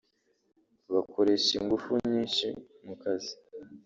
bakoresha ingufu nyinshi mu kazi